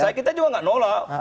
saya kira kita juga gak nolak